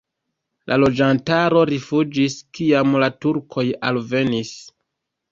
La loĝantaro rifuĝis, kiam la turkoj alvenis.